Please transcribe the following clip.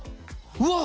うわっ！